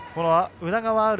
宇田川侑